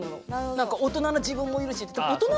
何か大人な自分もいるし。